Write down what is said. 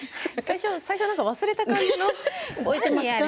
最初、忘れた感じの、覚えてますか？